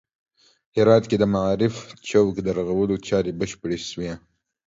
هرات کې د معارف چوک د رغولو چارې بشپړې شوې